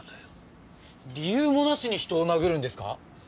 理由もなしに人を殴るんですか？